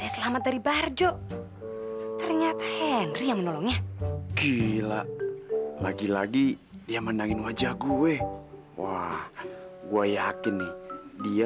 sampai jumpa di video selanjutnya